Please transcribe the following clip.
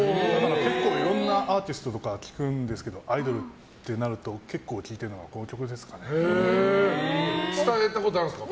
結構いろんなアーティストとか聴くんですけどアイドルってなると結構聴いてたのが伝えたことあるんですか？